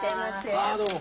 あどうも。